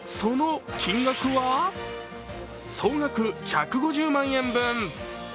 その金額は、総額１５０万円分。